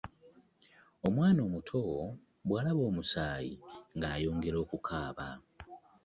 Omwana omuto bwalaba omusaayi nga ayongera okukaaba.